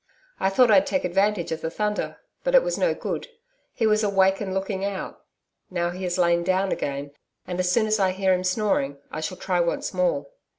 I thought I'd take advantage of the thunder, but it was no good. He was awake and looking out. Now he has lain down again, and as soon as I hear him snoring I shall try once more.'